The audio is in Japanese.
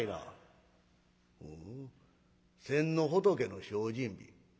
「ほう先の仏の精進日。